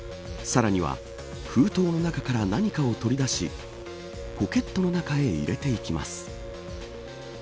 さらには、封筒の中から何かを取り出しポケットの中へ入れていきます。